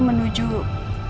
menuju vila keluarga al fahri